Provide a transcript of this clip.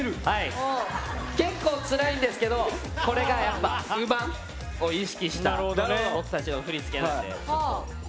結構、つらいんですけどこれがウマを意識した僕たちの振り付けなので。